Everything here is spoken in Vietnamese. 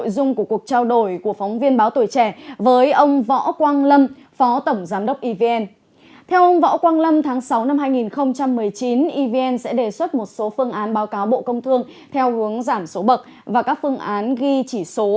báo cáo bộ công thương theo hướng giảm số bậc và các phương án ghi chỉ số